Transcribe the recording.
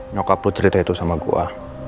noka put cerita itu sama gua